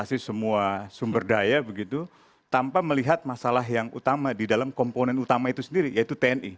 mengatasi semua sumber daya begitu tanpa melihat masalah yang utama di dalam komponen utama itu sendiri yaitu tni